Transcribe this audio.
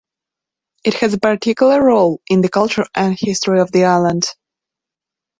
It has a particular role in the culture and history of the island.